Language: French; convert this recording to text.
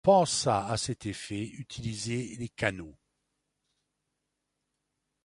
On pensa à cet effet utiliser les canaux.